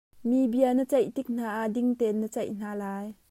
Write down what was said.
Mi bia na ceih tik hna ah dingtein na ceih hna lai.